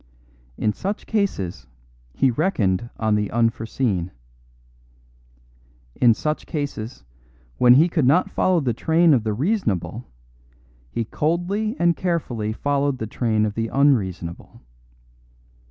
In such cases he reckoned on the unforeseen. In such cases, when he could not follow the train of the reasonable, he coldly and carefully followed the train of the unreasonable.